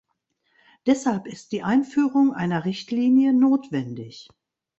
Deshalb ist die Einführung einer Richtlinie notwendig.